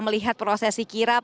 melihat prosesi kirap